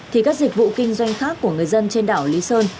thì các dịch vụ kinh doanh khác của người dân trên đảo lý sơn